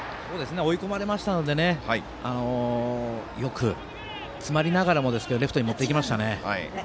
追い込まれましたのでよく詰まりながらもレフトに持っていきましたね。